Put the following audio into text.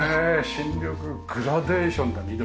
新緑グラデーションだ緑の。